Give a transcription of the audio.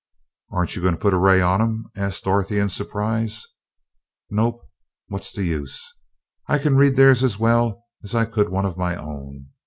"Aren't you going to put a ray on 'em?" asked Dorothy in surprise. "Nope what's the use? I can read theirs as well as I could one of my own.